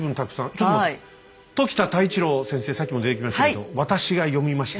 ちょっと待って時田太一郎先生さっきも出てきましたけど「私が読みました」。